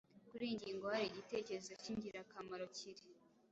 Kuri iyi ngingo, hari igitekerezo cy’ingirakamaro kiri